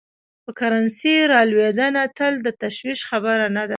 د کرنسۍ رالوېدنه تل د تشویش خبره نه ده.